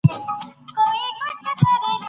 اقتصادي پرمختيا د هېواد خپلواکي پياوړې کوي.